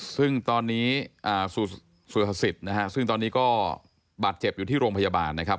ซึ่งตอนนี้สุรสิทธิ์นะฮะซึ่งตอนนี้ก็บาดเจ็บอยู่ที่โรงพยาบาลนะครับ